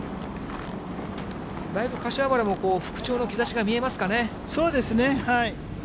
だいぶ柏原も復調の兆しが見えますかね。